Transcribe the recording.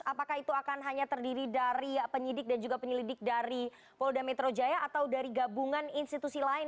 apakah itu akan hanya terdiri dari penyidik dan juga penyelidik dari polda metro jaya atau dari gabungan institusi lain